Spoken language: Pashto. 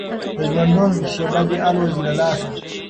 د ژوندون شېبې دي الوزي له لاسه